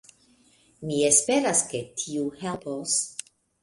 Mi esperas ke tiu helpos.